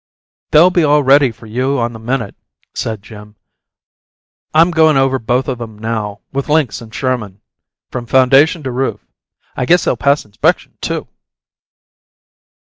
"They'll be all ready for you on the minute," said Jim. "I'm going over both of 'em now, with Links and Sherman, from foundation to roof. I guess they'll pass inspection, too!"